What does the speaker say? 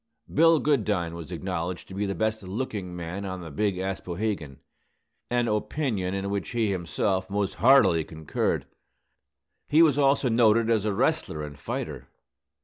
Bill Goodine was acknowledged to be the best looking man on the Big Aspohegan, an opinion in which he himself most heartily concurred. He was also noted as a wrestler and fighter.